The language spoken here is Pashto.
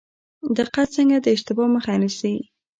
دقت څنګه د اشتباه مخه نیسي؟